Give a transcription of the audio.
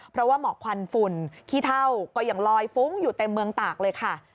เพราะว่าหมอกควันฝุ่นขี้เท่าก็ยังลอยฟุ้งอยู่เต็มเมืองตากเลยค่ะ